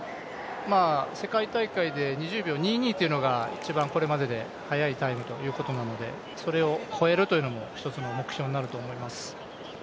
世界大会で２０秒２２というのが一番速いタイムということなのでそれを超えるというのも一つの目標になると思います。